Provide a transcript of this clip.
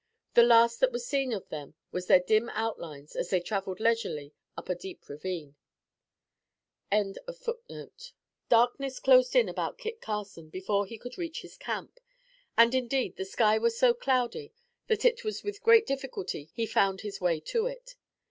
The last that was seen of them was their dim outlines as they traveled leisurely up a deep ravine.] Darkness closed in about Kit Carson before he could reach his camp; and, indeed, the sky was so cloudy that it was with great difficulty he found his way to it.